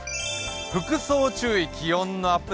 服装注意、気温のアップ